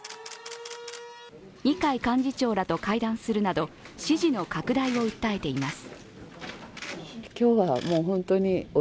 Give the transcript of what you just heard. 二階幹事長らと会談するなど、支持の拡大を訴えています。